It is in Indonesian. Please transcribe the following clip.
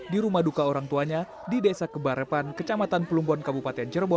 di rumah duka orang tuanya di desa kebarepan kecamatan pelumbon kabupaten cirebon